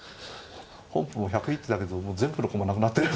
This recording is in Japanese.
本譜も１０１手だけどもう全部の駒なくなってる。